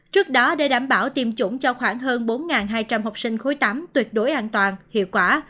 trước đó để đảm bảo tiêm chủng cho khoảng hơn bốn hai trăm linh học sinh khối tám tuyệt đối an toàn hiệu quả